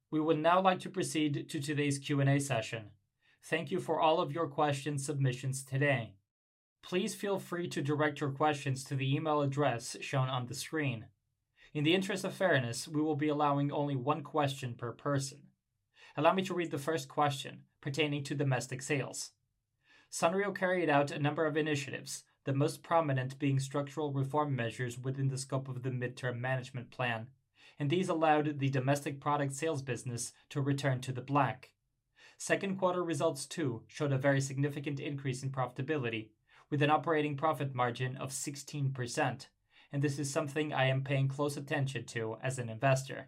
Speaker 5: We would now like to proceed to today's Q&A session. Thank you for all of your question submissions today. Please feel free to direct your questions to the email address shown on the screen. In the interest of fairness, we will be allowing only one question per person.
Speaker 1: Allow me to read the first question pertaining to domestic sales. Sanrio carried out a number of initiatives, the most prominent being structural reform measures within the scope of the midterm management plan, and these allowed the domestic product sales business to return to the black. Second quarter results, too, showed a very significant increase in profitability, with an operating profit margin of 16%, and this is something I am paying close attention to as an investor.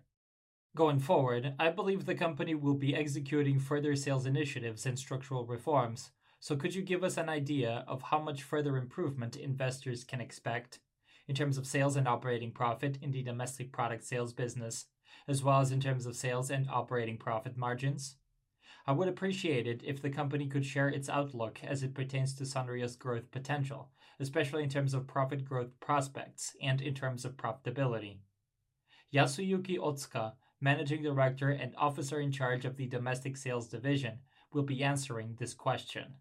Speaker 1: Going forward, I believe the company will be executing further sales initiatives and structural reforms. So could you give us an idea of how much further improvement investors can expect in terms of sales and operating profit in the domestic product sales business, as well as in terms of sales and operating profit margins? I would appreciate it if the company could share its outlook as it pertains to Sanrio's growth potential, especially in terms of profit growth prospects and in terms of profitability. Yasuyuki Otsuka, Managing Director and Officer in Charge of the Domestic Sales Division, will be answering this question.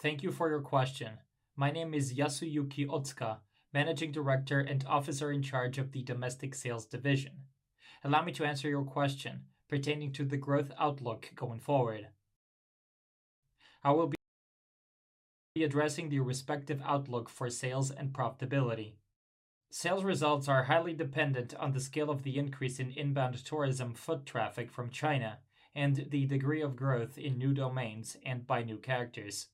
Speaker 3: Thank you for your question. My name is Yasuyuki Otsuka, Managing Director and Officer in Charge of the Domestic Sales Division. Allow me to answer your question pertaining to the growth outlook going forward. I will be addressing the respective outlook for sales and profitability. Sales results are highly dependent on the scale of the increase in inbound tourism, foot traffic from China, and the degree of growth in new domains and by new characters.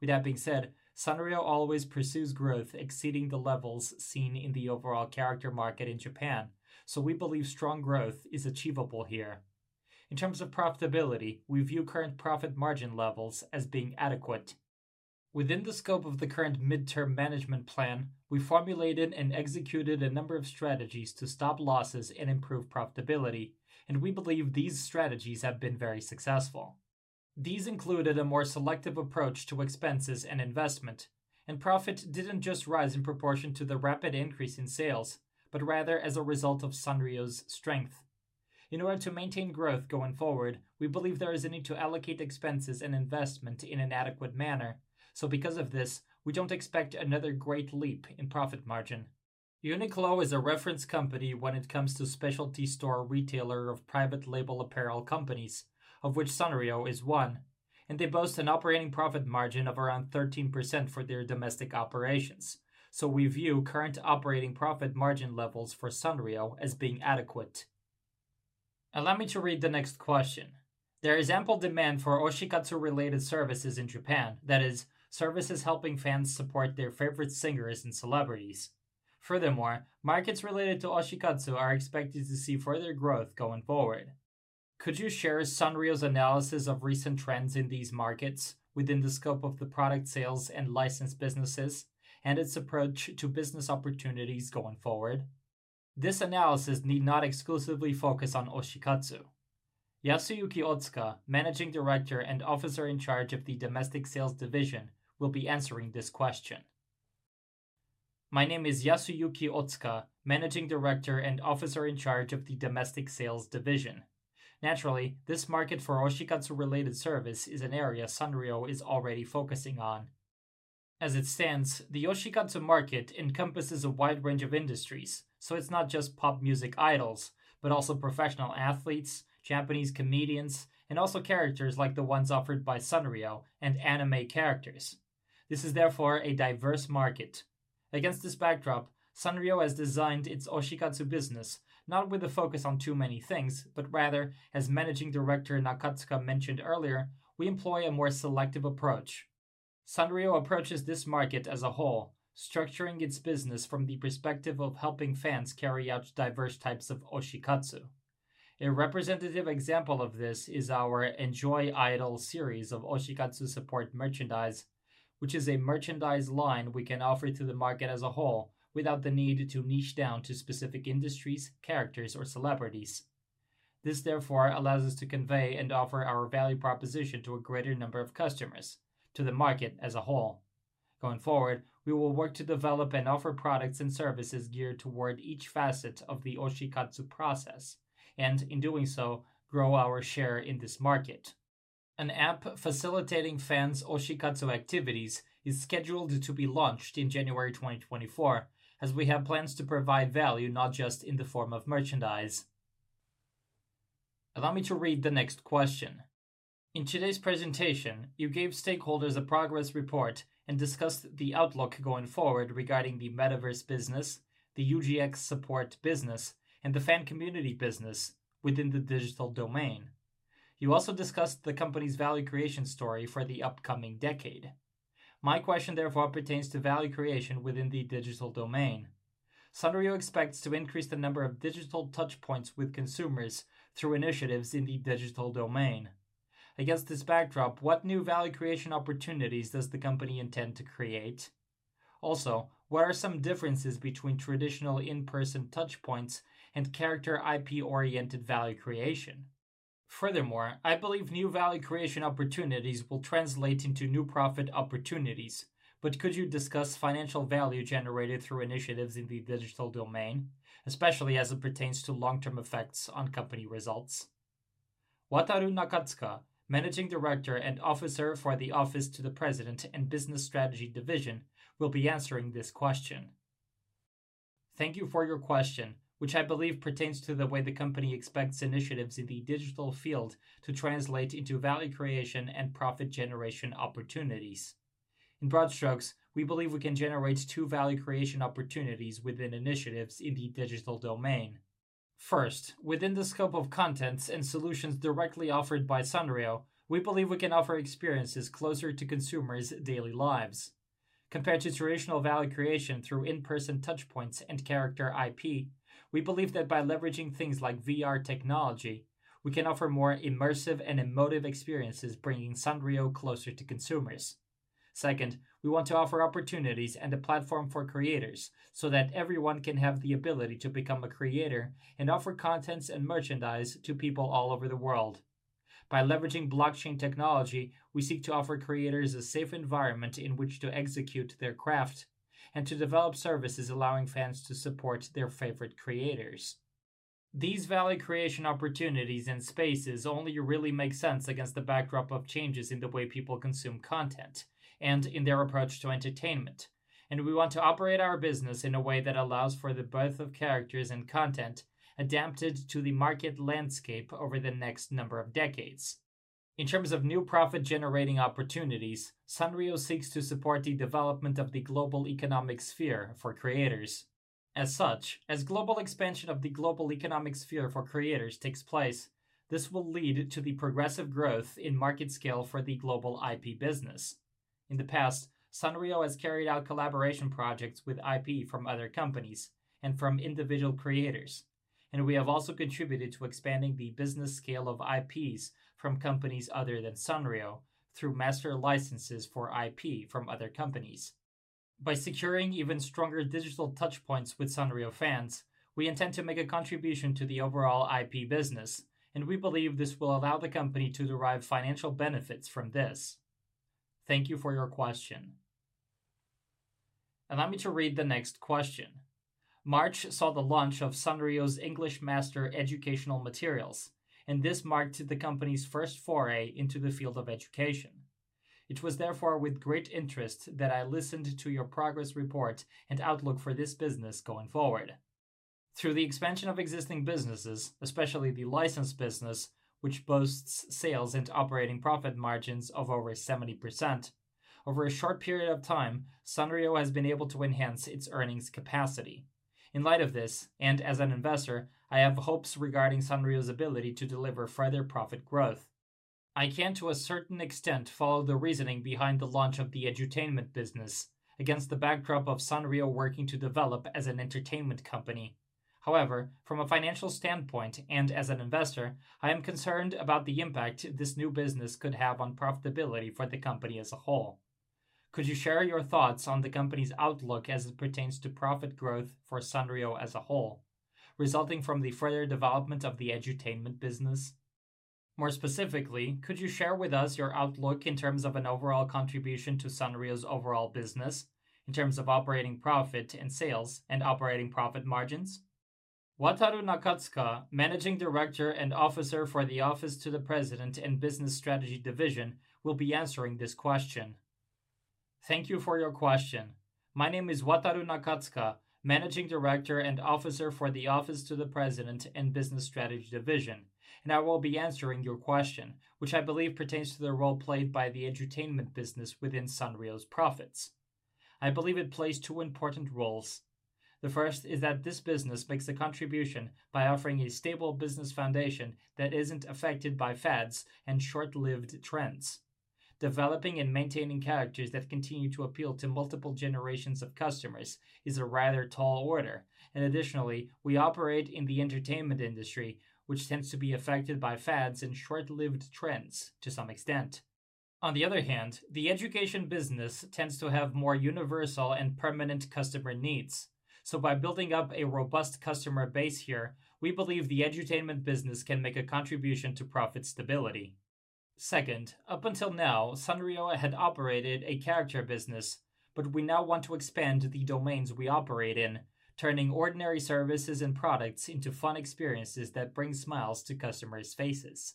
Speaker 3: With that being said, Sanrio always pursues growth exceeding the levels seen in the overall character market in Japan, so we believe strong growth is achievable here. In terms of profitability, we view current profit margin levels as being adequate. Within the scope of the current midterm management plan, we formulated and executed a number of strategies to stop losses and improve profitability, and we believe these strategies have been very successful.... These included a more selective approach to expenses and investment, and profit didn't just rise in proportion to the rapid increase in sales, but rather as a result of Sanrio's strength. In order to maintain growth going forward, we believe there is a need to allocate expenses and investment in an adequate manner. So because of this, we don't expect another great leap in profit margin. UNIQLO is a reference company when it comes to specialty store retailer of private label apparel companies, of which Sanrio is one, and they boast an operating profit margin of around 13% for their domestic operations. So we view current operating profit margin levels for Sanrio as being adequate.
Speaker 1: Allow me to read the next question: There is ample demand for oshikatsu-related services in Japan, that is, services helping fans support their favorite singers and celebrities. Furthermore, markets related to oshikatsu are expected to see further growth going forward. Could you share Sanrio's analysis of recent trends in these markets within the scope of the product sales and license businesses, and its approach to business opportunities going forward? This analysis need not exclusively focus on oshikatsu. Yasuyuki Otsuka, Managing Director and Officer in charge of the Domestic Sales Division, will be answering this question.
Speaker 3: My name is Yasuyuki Otsuka, Managing Director and Officer in charge of the Domestic Sales Division. Naturally, this market for oshikatsu-related service is an area Sanrio is already focusing on. As it stands, the oshikatsu market encompasses a wide range of industries, so it's not just pop music idols, but also professional athletes, Japanese comedians, and also characters like the ones offered by Sanrio and anime characters. This is therefore a diverse market. Against this backdrop, Sanrio has designed its oshikatsu business not with a focus on too many things, but rather, as Managing Director Nakatsuka mentioned earlier, we employ a more selective approach. Sanrio approaches this market as a whole, structuring its business from the perspective of helping fans carry out diverse types of oshikatsu. A representative example of this is our Enjoy Idol series of oshikatsu support merchandise, which is a merchandise line we can offer to the market as a whole without the need to niche down to specific industries, characters, or celebrities. This, therefore, allows us to convey and offer our value proposition to a greater number of customers, to the market as a whole. Going forward, we will work to develop and offer products and services geared toward each facet of the oshikatsu process, and in doing so, grow our share in this market. An app facilitating fans' oshikatsu activities is scheduled to be launched in January 2024, as we have plans to provide value not just in the form of merchandise.
Speaker 1: Allow me to read the next question. In today's presentation, you gave stakeholders a progress report and discussed the outlook going forward regarding the Metaverse business, the UGC support business, and the fan community business within the digital domain. You also discussed the company's value creation story for the upcoming decade. My question, therefore, pertains to value creation within the digital domain. Sanrio expects to increase the number of digital touchpoints with consumers through initiatives in the digital domain. Against this backdrop, what new value creation opportunities does the company intend to create? Also, what are some differences between traditional in-person touchpoints and character IP-oriented value creation? Furthermore, I believe new value creation opportunities will translate into new profit opportunities, but could you discuss financial value generated through initiatives in the digital domain, especially as it pertains to long-term effects on company results? Wataru Nakatsuka, Managing Director and Officer for the Office to the President and Business Strategy Division, will be answering this question.
Speaker 5: Thank you for your question, which I believe pertains to the way the company expects initiatives in the digital field to translate into value creation and profit generation opportunities. In broad strokes, we believe we can generate two value creation opportunities within initiatives in the digital domain. First, within the scope of contents and solutions directly offered by Sanrio, we believe we can offer experiences closer to consumers' daily lives. Compared to traditional value creation through in-person touchpoints and character IP, we believe that by leveraging things like VR technology, we can offer more immersive and emotive experiences, bringing Sanrio closer to consumers. Second, we want to offer opportunities and a platform for creators, so that everyone can have the ability to become a creator and offer contents and merchandise to people all over the world. By leveraging blockchain technology, we seek to offer creators a safe environment in which to execute their craft and to develop services allowing fans to support their favorite creators. These value creation opportunities and spaces only really make sense against the backdrop of changes in the way people consume content and in their approach to entertainment, and we want to operate our business in a way that allows for the birth of characters and content adapted to the market landscape over the next number of decades. In terms of new profit-generating opportunities, Sanrio seeks to support the development of the global economic sphere for creators. As such, as global expansion of the global economic sphere for creators takes place, this will lead to the progressive growth in market scale for the global IP business. In the past, Sanrio has carried out collaboration projects with IP from other companies and from individual creators, and we have also contributed to expanding the product scale of IPs from companies other than Sanrio through master licenses for IP from other companies. By securing even stronger digital touchpoints with Sanrio fans, we intend to make a contribution to the overall IP business, and we believe this will allow the company to derive financial benefits from this. Thank you for your question.
Speaker 1: Allow me to read the next question: March saw the launch of Sanrio English Master educational materials, and this marked the company's first foray into the field of education. It was therefore with great interest that I listened to your progress report and outlook for this business going forward. Through the expansion of existing businesses, especially the license business, which boasts sales and operating profit margins of over 70%, over a short period of time, Sanrio has been able to enhance its earnings capacity. In light of this, and as an investor, I have hopes regarding Sanrio's ability to deliver further profit growth. I can, to a certain extent, follow the reasoning behind the launch of the edutainment business against the backdrop of Sanrio working to develop as an entertainment company. However, from a financial standpoint and as an investor, I am concerned about the impact this new business could have on profitability for the company as a whole. Could you share your thoughts on the company's outlook as it pertains to profit growth for Sanrio as a whole, resulting from the further development of the edutainment business? More specifically, could you share with us your outlook in terms of an overall contribution to Sanrio's overall business in terms of operating profit and sales and operating profit margins? Wataru Nakatsuka, Managing Director and Officer for the Office to the President and Business Strategy Division, will be answering this question.
Speaker 5: Thank you for your question. My name is Wataru Nakatsuka, Managing Director and Officer for the Office to the President and Business Strategy Division, and I will be answering your question, which I believe pertains to the role played by the edutainment business within Sanrio's profits. I believe it plays two important roles. The first is that this business makes a contribution by offering a stable business foundation that isn't affected by fads and short-lived trends. Developing and maintaining characters that continue to appeal to multiple generations of customers is a rather tall order, and additionally, we operate in the entertainment industry, which tends to be affected by fads and short-lived trends to some extent. On the other hand, the education business tends to have more universal and permanent customer needs. So by building up a robust customer base here, we believe the edutainment business can make a contribution to profit stability. Second, up until now, Sanrio had operated a character business, but we now want to expand the domains we operate in, turning ordinary services and products into fun experiences that bring smiles to customers' faces.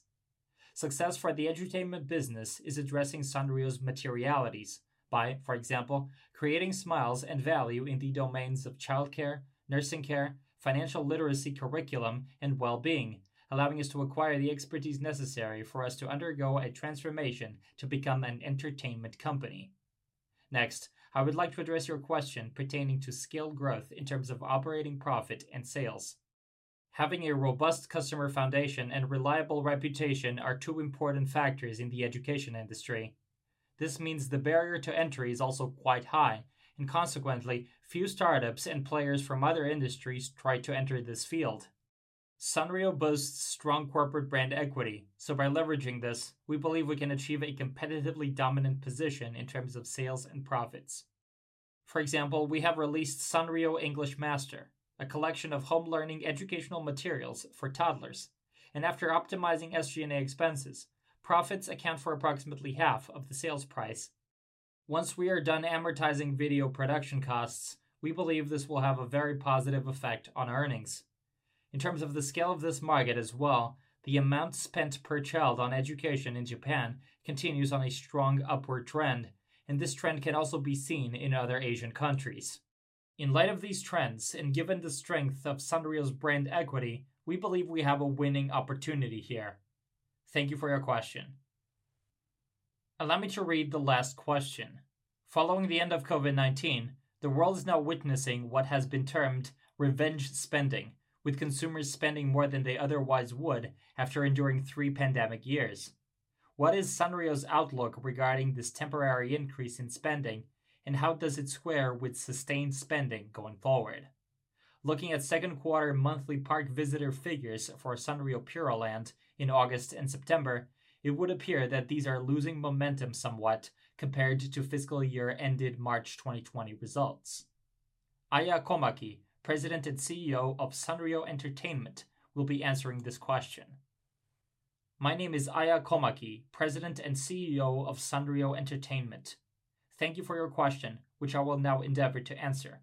Speaker 5: Success for the edutainment business is addressing Sanrio's materialities by, for example, creating smiles and value in the domains of childcare, nursing care, financial literacy curriculum, and well-being, allowing us to acquire the expertise necessary for us to undergo a transformation to become an entertainment company. Next, I would like to address your question pertaining to scale growth in terms of operating profit and sales. Having a robust customer foundation and reliable reputation are two important factors in the education industry. This means the barrier to entry is also quite high, and consequently, few startups and players from other industries try to enter this field. Sanrio boasts strong corporate brand equity, so by leveraging this, we believe we can achieve a competitively dominant position in terms of sales and profits. For example, we have released Sanrio English Master, a collection of home learning educational materials for toddlers, and after optimizing SG&A expenses, profits account for approximately half of the sales price. Once we are done amortizing video production costs, we believe this will have a very positive effect on earnings. In terms of the scale of this market as well, the amount spent per child on education in Japan continues on a strong upward trend, and this trend can also be seen in other Asian countries. In light of these trends, and given the strength of Sanrio's brand equity, we believe we have a winning opportunity here. Thank you for your question.
Speaker 1: Allow me to read the last question. Following the end of COVID-19, the world is now witnessing what has been termed "revenge spending," with consumers spending more than they otherwise would after enduring three pandemic years. What is Sanrio's outlook regarding this temporary increase in spending, and how does it square with sustained spending going forward? Looking at second quarter monthly park visitor figures for Sanrio Puroland in August and September, it would appear that these are losing momentum somewhat compared to fiscal year ended March 2020 results. Aya Komaki, President and CEO of Sanrio Entertainment, will be answering this question.
Speaker 6: My name is Aya Komaki, President and CEO of Sanrio Entertainment. Thank you for your question, which I will now endeavor to answer.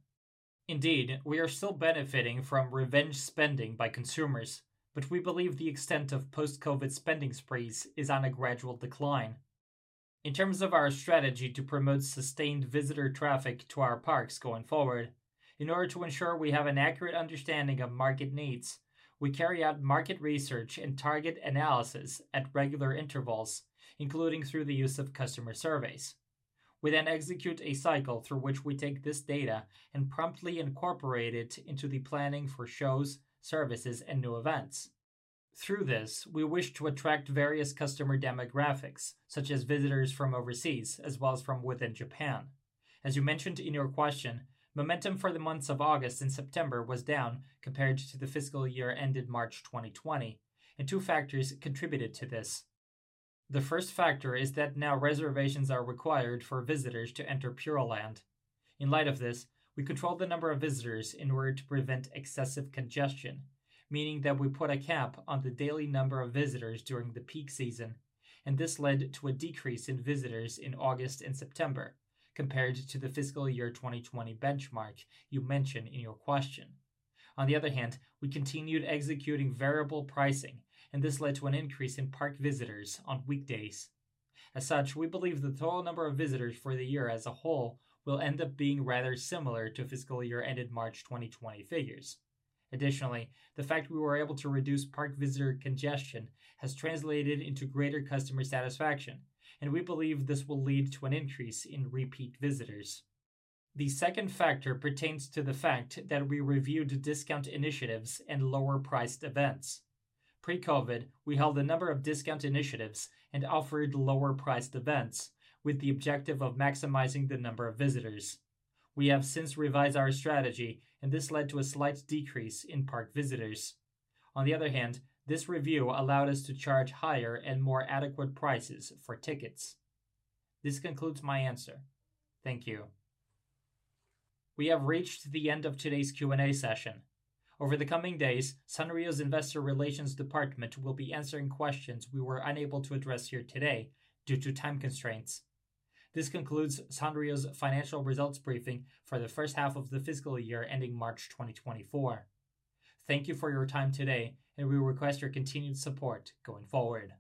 Speaker 6: Indeed, we are still benefiting from revenge spending by consumers, but we believe the extent of post-COVID spending sprees is on a gradual decline. In terms of our strategy to promote sustained visitor traffic to our parks going forward, in order to ensure we have an accurate understanding of market needs, we carry out market research and target analysis at regular intervals, including through the use of customer surveys. We then execute a cycle through which we take this data and promptly incorporate it into the planning for shows, services, and new events. Through this, we wish to attract various customer demographics, such as visitors from overseas, as well as from within Japan. As you mentioned in your question, momentum for the months of August and September was down compared to the fiscal year ended March 2020, and two factors contributed to this. The first factor is that now reservations are required for visitors to enter Puroland. In light of this, we control the number of visitors in order to prevent excessive congestion, meaning that we put a cap on the daily number of visitors during the peak season, and this led to a decrease in visitors in August and September compared to the fiscal year 2020 benchmark you mentioned in your question. On the other hand, we continued executing variable pricing, and this led to an increase in park visitors on weekdays. As such, we believe the total number of visitors for the year as a whole will end up being rather similar to fiscal year ended March 2020 figures. Additionally, the fact we were able to reduce park visitor congestion has translated into greater customer satisfaction, and we believe this will lead to an increase in repeat visitors. The second factor pertains to the fact that we reviewed discount initiatives and lower-priced events. Pre-COVID, we held a number of discount initiatives and offered lower-priced events with the objective of maximizing the number of visitors. We have since revised our strategy, and this led to a slight decrease in park visitors. On the other hand, this review allowed us to charge higher and more adequate prices for tickets. This concludes my answer. Thank you.
Speaker 1: We have reached the end of today's Q&A session. Over the coming days, Sanrio's Investor Relations Department will be answering questions we were unable to address here today due to time constraints. This concludes Sanrio's financial results briefing for the first half of the fiscal year ending March 2024. Thank you for your time today, and we request your continued support going forward.